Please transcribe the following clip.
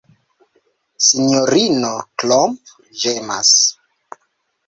Sinjorino Klomp ĝemas.